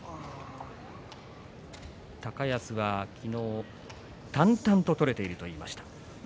同士高安は昨日、淡々と取れていると言いました。